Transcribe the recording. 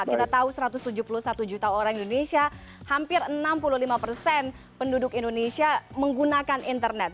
kita tahu satu ratus tujuh puluh satu juta orang indonesia hampir enam puluh lima persen penduduk indonesia menggunakan internet